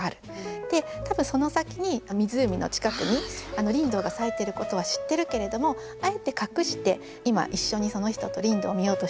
で多分その先に湖の近くにリンドウが咲いてることは知ってるけれどもあえて隠して今一緒にその人とリンドウを見ようとしてる。